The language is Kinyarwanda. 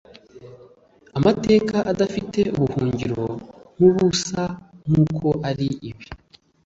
Amateka adafite ubuhungiro nkubusa nkuko ari bibi